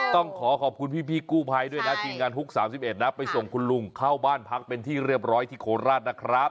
ต้องขอขอบคุณพี่กู้ภัยด้วยนะทีมงานฮุก๓๑นะไปส่งคุณลุงเข้าบ้านพักเป็นที่เรียบร้อยที่โคราชนะครับ